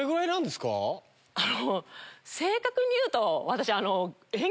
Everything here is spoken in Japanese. あの正確にいうと私。